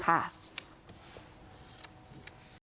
โปรดติดตามตอนต่อไป